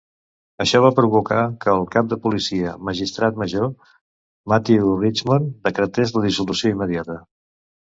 Això va provocar que el cap de policia magistrat major, Matthew Richmond, decretés la dissolució immediata.